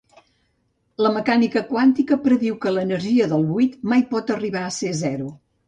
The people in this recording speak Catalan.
La mecànica quàntica prediu que l'energia del buit mai pot arribar a ser zero.